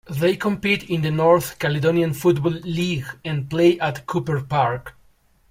They compete in the North Caledonian Football League and play at Couper Park.